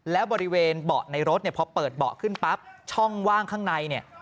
แล้วบริเวณเบาะในรถเนี่ยพอเปิดเบาะขึ้นปั๊บช่องว่างข้างในเนี่ย